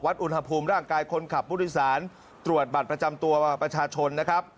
อุณหภูมิร่างกายคนขับผู้โดยสารตรวจบัตรประจำตัวประชาชนนะครับ